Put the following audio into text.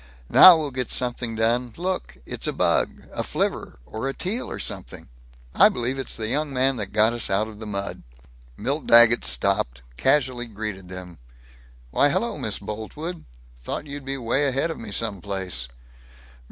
"Now we'll get something done! Look! It's a bug a flivver or a Teal or something. I believe it's the young man that got us out of the mud." Milt Daggett stopped, casually greeted them: "Why, hello, Miss Boltwood. Thought you'd be way ahead of me some place!"